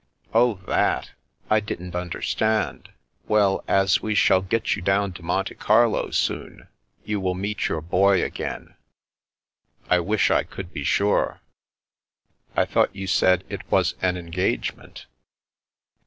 "Oh, that. I didn't understand. Well, as we shall get you down to Monte Carlo soon, you will meet your boy again." " I wish I could be sure." " I thought you said it was an engagement."